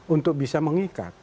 untuk bisa mengikat